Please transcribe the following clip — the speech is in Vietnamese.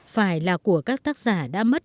phải là của các tác giả đã mất